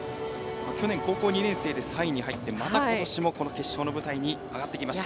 去年、高校２年生で３位に入ってまた今年も決勝の舞台に上がってきました。